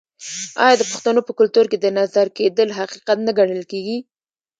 آیا د پښتنو په کلتور کې د نظر کیدل حقیقت نه ګڼل کیږي؟